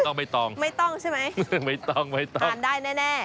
ไม่ต้องไม่ต้องใช่ไหมไม่ต้องไม่ต้องทานได้แน่